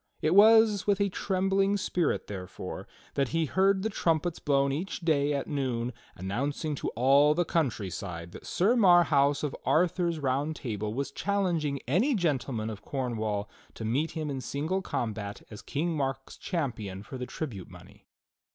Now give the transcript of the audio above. It was with a trembling spirit, therefore, that he heard the trumpets blown each day at noon announcing to all the countryside that Sir Marhaus of Arthur's Round Table was challenging any gentleman of Cornwall to meet him in single combat as King Mark's champion for the tribute money.